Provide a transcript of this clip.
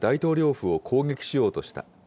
府を攻撃しようとした。